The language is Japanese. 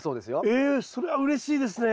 ええそれはうれしいですね！